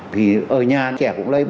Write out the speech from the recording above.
thì ở nhà trẻ cũng lây